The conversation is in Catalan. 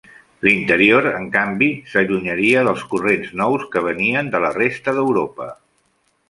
L'interior, en canvi, s'allunyaria dels corrents nous que venien de la resta d'Europa.